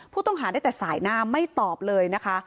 ผู้ต้องหาได้แต่สายหน้าไม่ตอบเลยนะคะ